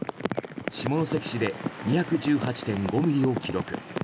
下関市で２１８．５ミリを観測